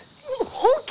本気！？